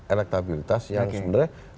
elektabilitas yang sebenarnya